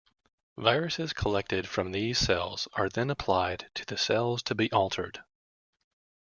Viruses collected from these cells are then applied to the cells to be altered.